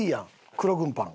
黒軍パン。